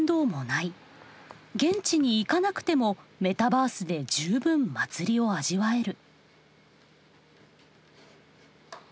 現地に行かなくてもメタバースで十分祭りを味わえる。